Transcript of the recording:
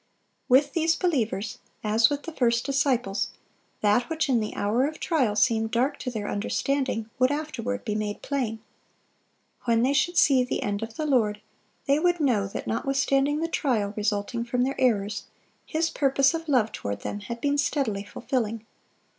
With these believers, as with the first disciples, that which in the hour of trial seemed dark to their understanding, would afterward be made plain. When they should see the "end of the Lord," they would know that notwithstanding the trial resulting from their errors, His purposes of love toward them had been steadily fulfilling.